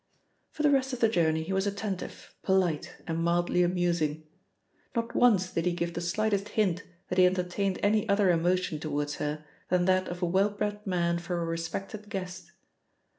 For the rest of the journey he was attentive, polite, and mildly amusing. Not once did he give the slightest hint that he entertained any other emotion towards her than that of a well bred man for a respected guest.